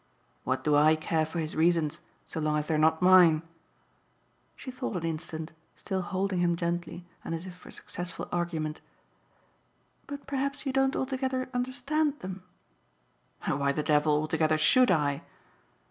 "What do I care for his reasons so long as they're not mine?" She thought an instant, still holding him gently and as if for successful argument. "But perhaps you don't altogether understand them." "And why the devil, altogether, SHOULD I?"